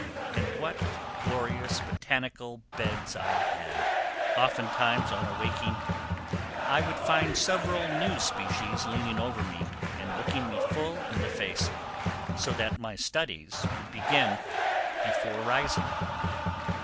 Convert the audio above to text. And what glorious botanical beds I had! Oftentimes on awaking I would find several new species leaning over me and looking me full in the face, so that my studies would begin before rising.